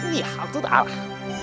ini tidak baik